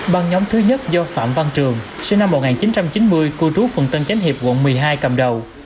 băng nhóm thứ nhất do phạm văn trường sinh năm một nghìn chín trăm chín mươi cư trú phường tân chánh hiệp quận một mươi hai cầm đầu